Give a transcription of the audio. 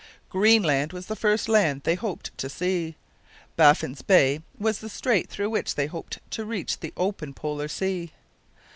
Greenland was the first land they hoped to see. Baffin's Bay was the strait through which they hoped to reach the open polar sea.